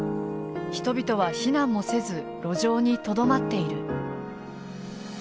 人々は避難もせず路上にとどまっている。